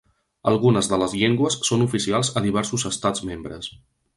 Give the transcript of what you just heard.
Algunes de les llengües són oficials a diversos estats membres.